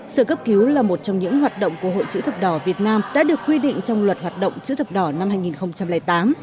sơ cấp cứu là một trong những hoạt động của hội chữ thập đỏ việt nam đã được quy định trong luật hoạt động chữ thập đỏ năm hai nghìn tám